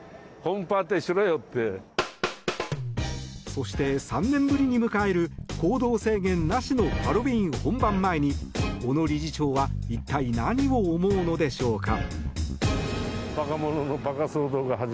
そして、３年ぶりに迎える行動制限なしのハロウィーン本番前に小野理事長は一体、何を思うのでしょうか。